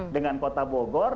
dengan kota bogor